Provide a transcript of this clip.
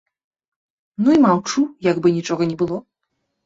Ну і маўчу, як бы нічога не было.